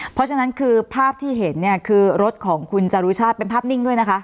เพราะฉะนั้นคือภาพที่เห็นเนี่ยคือรถของคุณจารุชาติเป็นภาพนิ่งด้วยนะคะ